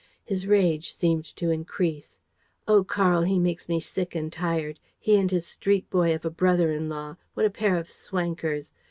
His rage seemed to increase. "Oh, Karl, he makes me sick and tired! He and his street boy of a brother in law, what a pair of swankers!